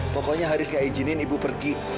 pokoknya haris nggak izinin ibu pergi